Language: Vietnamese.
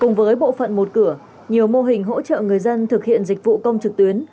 cùng với bộ phận một cửa nhiều mô hình hỗ trợ người dân thực hiện dịch vụ công trực tuyến